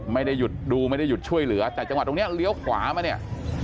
ไม่ได้หยุดดูไม่ได้หยุดช่วยเหลือแต่จังหวัดตรงนี้เลี้ยวขวามาเนี่ย